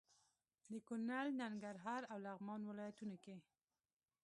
د کونړ، ننګرهار او لغمان ولايتونو کې